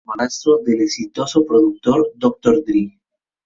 Es el hermanastro del exitoso productor Dr. Dre.